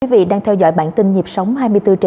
các quý vị đang theo dõi bản tin nhịp sóng hai mươi bốn h bảy